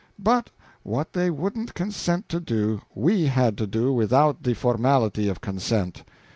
But what they wouldn't consent to do we had to do without the formality of consent.